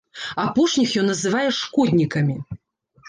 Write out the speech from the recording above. Апошніх ён называе шкоднікамі.